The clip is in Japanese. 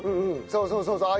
そうそうそうそう。